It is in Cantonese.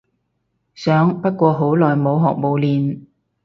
想不過好耐冇學冇練